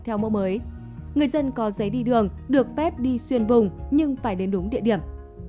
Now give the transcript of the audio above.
theo mẫu mới người dân có giấy đi đường được phép đi xuyên vùng nhưng phải đến đúng địa điểm